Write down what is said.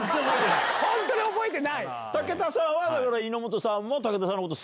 武田さんは猪本さんも。